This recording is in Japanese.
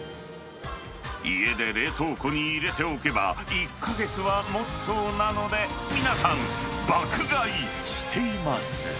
家で冷凍庫に入れておけば、１か月はもつそうなので、皆さん、爆買いしています。